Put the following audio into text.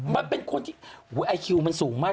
มันเป็นคนที่ไอคิวมันสูงมาก